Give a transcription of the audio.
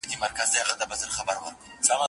زه چي زلمی ومه کلونه مخکي